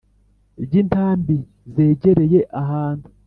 ry intambi zegereye ahantu